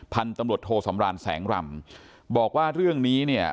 พันธุ์ตำรวจโทสำรานแสงรำบอกว่าเรื่องนี้เนี่ย